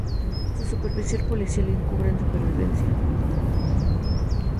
Su supervisor policial encubre su supervivencia.